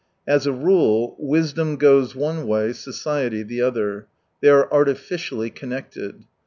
As a rule, wisdom goes one way, society the other. They are artificially connected.